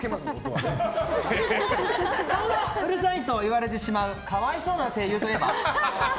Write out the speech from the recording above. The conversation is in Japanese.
顔がうるさいと言われてしまうかわいそうな声優といえば？